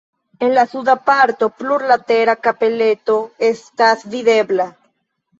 En la suda parto plurlatera kapeleto estas videbla.